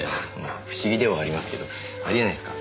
不思議ではありますけどありえないっすか。